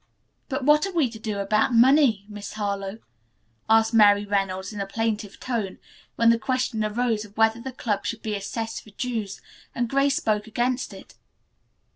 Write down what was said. "But what are we to do about money, Miss Harlowe?" asked Mary Reynolds in a plaintive tone, when the question arose of whether the club should be assessed for dues, and Grace spoke against it.